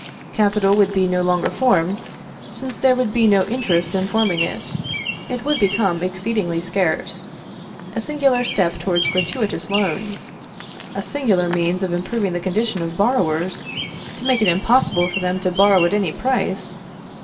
Capital would be no longer formed, since there would be no interest in forming it. It would become exceedingly scarce. A singular step towards gratuitous loans! A singular means of improving the condition of borrowers, to make it impossible for them to borrow at any price!